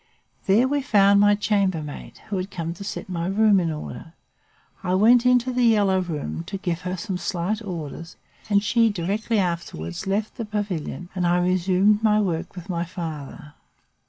There we found my chambermaid, who had come to set my room in order. I went into "The Yellow Room" to give her some slight orders and she directly afterwards left the pavilion, and I resumed my work with my father.